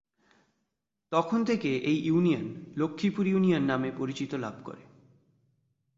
তখন থেকে এই ইউনিয়ন লক্ষ্মীপুর ইউনিয়ন নামে পরিচিত লাভ করে।